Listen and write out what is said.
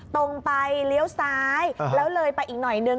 ตรงไปเลี้ยวซ้ายแล้วเลยไปอีกหน่อยนึง